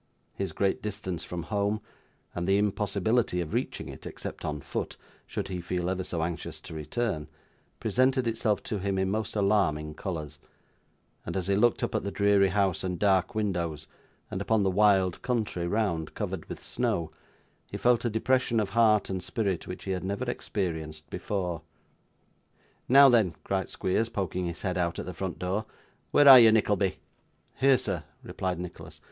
His great distance from home and the impossibility of reaching it, except on foot, should he feel ever so anxious to return, presented itself to him in most alarming colours; and as he looked up at the dreary house and dark windows, and upon the wild country round, covered with snow, he felt a depression of heart and spirit which he had never experienced before. 'Now then!' cried Squeers, poking his head out at the front door. 'Where are you, Nickleby?' 'Here, sir,' replied Nicholas.